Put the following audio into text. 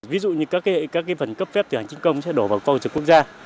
ví dụ như các phần cấp phép từ hành chính công sẽ đổ vào các cơ sở quốc gia